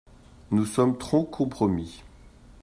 Nous sommes trop compromis.